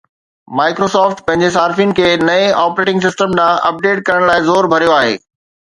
Microsoft پنهنجي صارفين کي نئين آپريٽنگ سسٽم ڏانهن اپڊيٽ ڪرڻ لاء زور ڀريو آهي